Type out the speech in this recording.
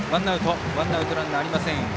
ワンアウトランナーはありません。